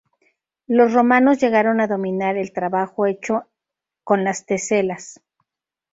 Los romanos llegaron a dominar el trabajo hecho con las teselas.